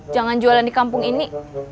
jangan jualan di kampung ini